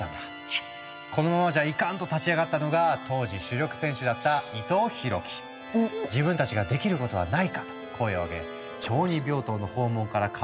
「このままじゃイカン！」と立ち上がったのが当時主力選手だった「自分たちができることはないか」と声を上げ小児病棟の訪問から河原のゴミ拾い